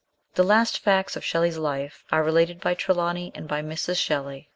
The last facts of Shelley's life are related by Trelawny and by Mrs. Shelley.